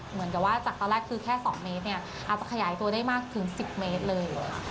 เหมือนกับว่าจากตอนแรกคือแค่๒เมตรเนี่ยอาจจะขยายตัวได้มากถึง๑๐เมตรเลย